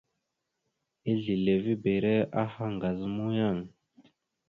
Ezlilivibire aha ŋgaz a muyaŋ a.